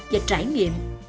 và trải nghiệm